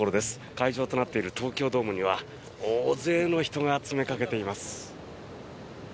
会場となっている東京ドームには大勢の人が詰めかけています。